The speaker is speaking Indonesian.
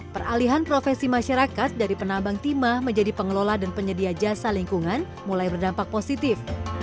peralihan profesi masyarakat dari penambang timah menjadi pengelola dan penyedia jasa lingkungan mulai berdampak positif